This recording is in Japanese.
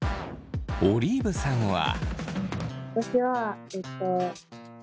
オリーブさんは。